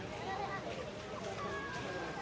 สวัสดีครับทุกคน